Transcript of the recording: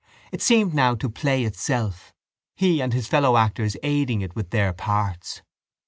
It seemed now to play itself, he and his fellow actors aiding it with their parts.